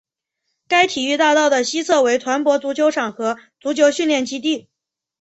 该体育大道的西侧为团泊足球场和足球训练基地。